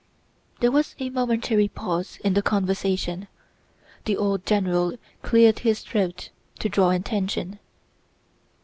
There was a momentary pause in the conversation; the old general cleared his throat to draw attention.